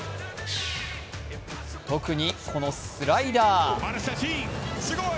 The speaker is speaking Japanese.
特に、このスライダー。